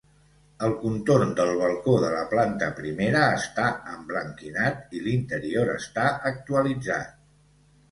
El contorn del balcó de la planta primera està emblanquinat i l'interior està actualitzat.